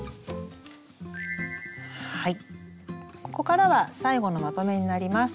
ここからは最後のまとめになります。